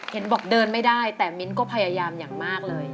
เห็นบอกเดินไม่ได้แต่มิ้นก็พยายามอย่างมากเลย